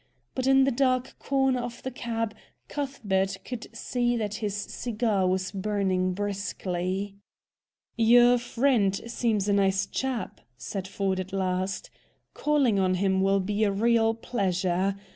But, in the dark corner of the cab, Cuthbert could see that his cigar was burning briskly. "Your friend seems a nice chap," said Ford at last. "Calling on him will be a real pleasure.